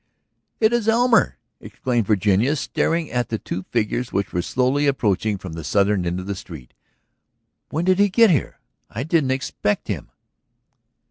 "It is Elmer!" exclaimed Virginia, staring at the two figures which were slowly approaching from the southern end of the street. "When did he get here? I didn't expect him.